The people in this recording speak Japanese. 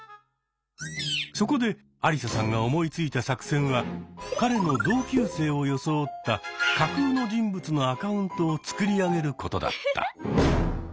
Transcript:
そこでアリサさんが思いついた作戦は彼の同級生を装った架空の人物のアカウントを作り上げることだった。